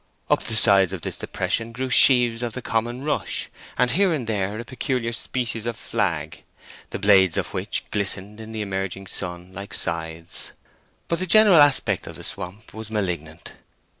Up the sides of this depression grew sheaves of the common rush, and here and there a peculiar species of flag, the blades of which glistened in the emerging sun, like scythes. But the general aspect of the swamp was malignant.